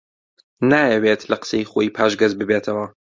نایەوێت لە قسەی خۆی پاشگەز ببێتەوە